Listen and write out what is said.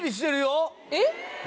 えっ？